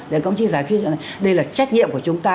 để các đồng chí giải quyết cho nên đây là trách nhiệm của chúng ta